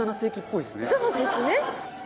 そうですね。